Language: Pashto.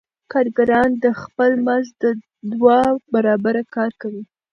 کارګران د خپل مزد دوه برابره کار کوي